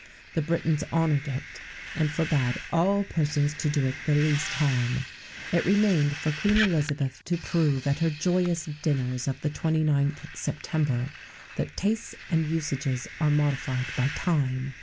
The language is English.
[XVII 56] The Britons honoured it, and forbad all persons to do it the least harm.[XVII 57] It remained for Queen Elizabeth to prove, at her joyous dinners of the 29th September, that tastes and usages are modified by time.